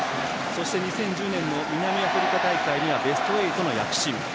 そして２０１０年の南アフリカ大会ではべスト８の躍進。